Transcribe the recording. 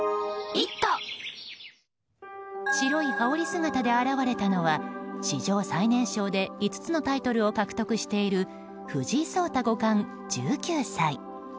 白い羽織姿で現れたのは史上最年少で５つのタイトルを獲得している藤井聡太五冠、１９歳。